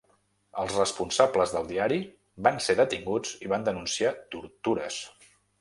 Els responsables del diari van ser detinguts i van denunciar tortures.